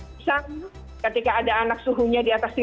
misalnya ketika ada anak suhunya di atas tiga puluh tujuh tiga